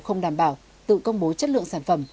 không đảm bảo tự công bố chất lượng sản phẩm